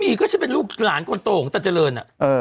มีก็จะเป็นลูกหลานโตจริงตันเจริญ